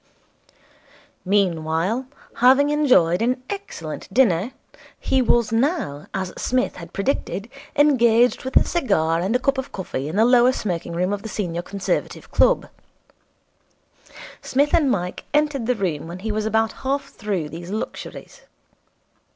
Meanwhile, having enjoyed an excellent dinner, he was now, as Psmith had predicted, engaged with a cigar and a cup of coffee in the lower smoking room of the Senior Conservative Club. Psmith and Mike entered the room when he was about half through these luxuries.